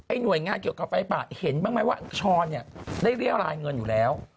หน่วยงานเกี่ยวกับไฟป่าเห็นบ้างไหมว่าช้อนเนี่ยได้เรียรายเงินอยู่แล้ว